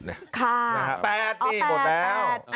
๘หมดแล้ว